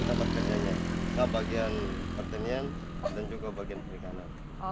sekarang berjualan ikan pertanian dan juga bagian perikanan